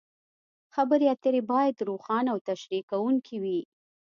خبرې اترې باید روښانه او تشریح کوونکې وي.